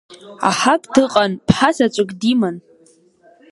Аҳак дыҟан, ԥҳа заҵәык диман.